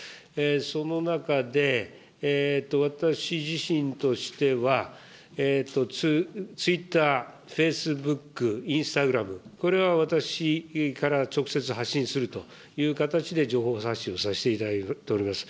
その中で、私自身としては、ツイッター、フェイスブック、インスタグラム、これは私から直接発信するという形で情報発信をさせていただいております。